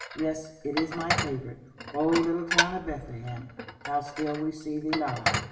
Yes, it is my favorite. "Oh, little town of Bethlehem, How still we see thee lie."